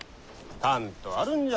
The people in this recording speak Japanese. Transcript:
たんとあるんじゃ！